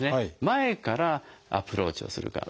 前からアプローチをするか。